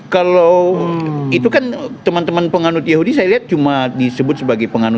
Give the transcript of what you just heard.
kalau itu kan teman teman penganut yahudi saya lihat cuma disebut sebagai penganut